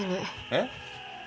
えっ？